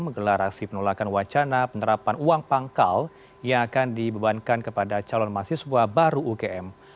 menggelar aksi penolakan wacana penerapan uang pangkal yang akan dibebankan kepada calon mahasiswa baru ugm